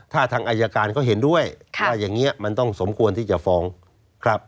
ถ้าทางอายการเขาเห็นด้วยว่าอย่างนี้มันต้องสมควรที่จะฟ้องครับ